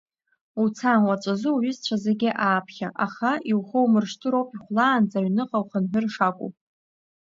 Уца, уаҵәазы уҩызцәа зегьы ааԥхьа, аха, иухоумыршҭыроуп, ихәлаанӡа аҩныҟа ухынҳәыр шакәу.